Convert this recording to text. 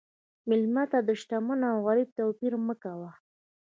مېلمه ته د شتمن او غریب توپیر مه کوه.